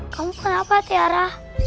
kamu kenapa tiara